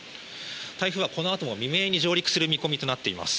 台風はこのあとの未明に上陸する見込みとなっています。